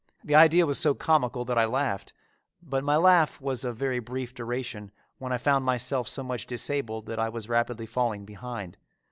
The idea was so comical that I laughed, but my laugh was of very brief duration when I found myself so much disabled that I was rapidly falling behind.